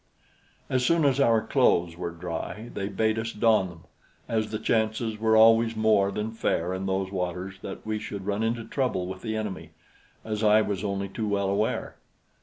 As soon as our clothes were dry, they bade us don them, as the chances were always more than fair in those waters that we should run into trouble with the enemy, as I was only too well aware.